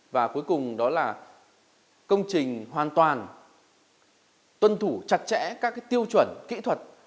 và cuối cùng đó là công trình hoàn toàn tuân thủ chặt chẽ các tiêu chuẩn kỹ thuật